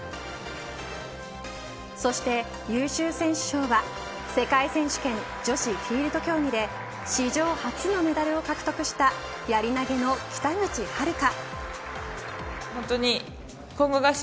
そして優秀選手賞は世界選手権女子フィールド競技で史上初のメダルを獲得したやり投げの北口榛花。